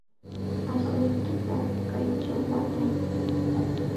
Ashnuykita kaychaw watay.